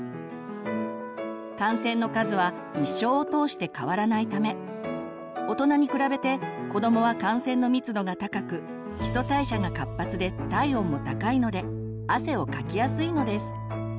汗腺の数は一生を通して変わらないため大人に比べて子どもは汗腺の密度が高く基礎代謝が活発で体温も高いので汗をかきやすいのです。